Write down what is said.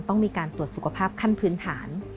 ต้องมีการตรวจสุขภาพขั้นพื้นฐาน